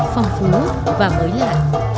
phong phú và mới lạ